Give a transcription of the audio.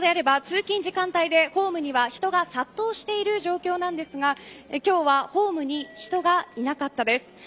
通常であれば、通勤時間帯でホームには人が殺到している状況なんですが今日はホームに人がいなかったです。